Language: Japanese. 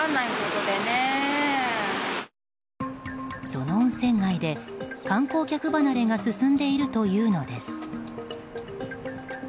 その温泉街で観光客離れが進んでいるというのです。